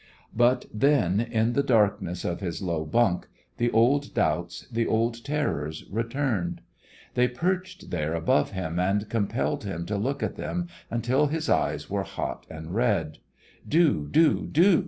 But then, in the darkness of his low bunk, the old doubts, the old terrors returned. They perched there above him and compelled him to look at them until his eyes were hot and red. "_Do, do, do!